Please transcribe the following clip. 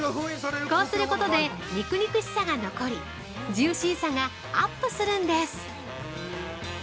こうすることで肉々しさが残り、ジューシーさがアップするんです。